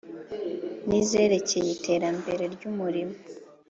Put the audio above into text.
N izerekeye iterambere ry umurimo